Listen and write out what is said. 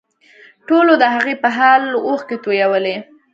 ټولو د هغې په حال اوښکې تویولې